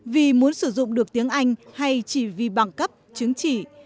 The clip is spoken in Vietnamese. vì muốn sử dụng được tiếng anh hay chỉ vì bằng cấp chứng chỉ